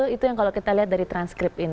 itu yang kalau kita lihat dari transkrip in